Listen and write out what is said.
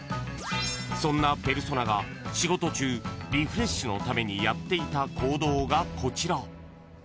［そんなペルソナが仕事中リフレッシュのためにやっていた行動がこちら］